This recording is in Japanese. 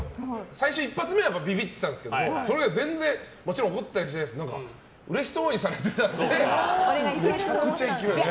最初１発目はビビってたんですけどそれ以降、全然、もちろん怒ったりはしないんですけどうれしそうにされてたんでめちゃくちゃいきました。